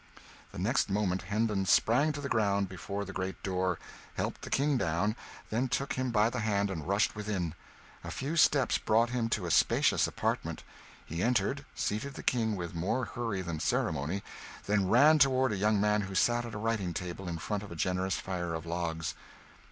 The next moment Hendon sprang to the ground before the great door, helped the King down, then took him by the hand and rushed within. A few steps brought him to a spacious apartment; he entered, seated the King with more hurry than ceremony, then ran toward a young man who sat at a writing table in front of a generous fire of logs.